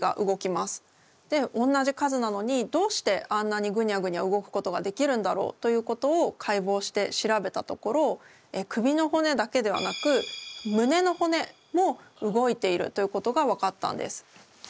でおんなじ数なのにどうしてあんなにグニャグニャ動くことができるんだろうということを解剖して調べたところ首の骨だけではなく胸の骨も動いているということが分かったんです。